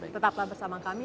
tetaplah bersama kami